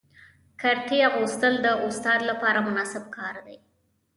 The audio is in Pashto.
کرتۍ اغوستل د استاد لپاره مناسب کار دی.